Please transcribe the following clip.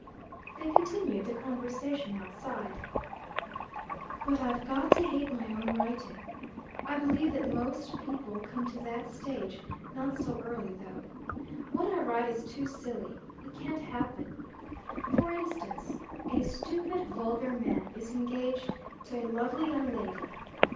They continued the conversation outside. "But I've got to hate my own writing. I believe that most people come to that stage not so early though. What I write is too silly. It can't happen. For instance, a stupid vulgar man is engaged to a lovely young lady.